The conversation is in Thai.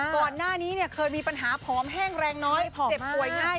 ก่อนหน้านี้เนี่ยเคยมีปัญหาผอมแห้งแรงน้อยเจ็บป่วยง่าย